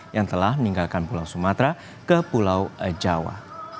yang telah meninggalkan pulau sumatera ke pulau jawa